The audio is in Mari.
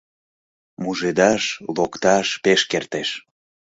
Мужедаш, локташ пеш кертеш.